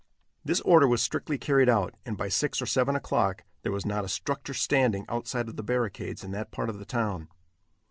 This order was strictly carried out, and by six or seven o'clock there was not a structure standing outside of the barricades in that part of the town.